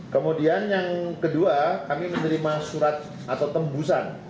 kemudian yang kedua kami menerima surat atau tembusan